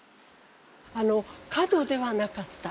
あの角ではなかった。